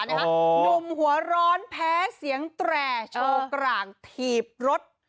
หนุ่มหัวร้อนแพ้เสียงแตร่โชว์กลางถีบรถ